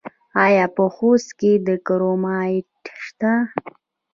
آیا په خوست کې کرومایټ شته؟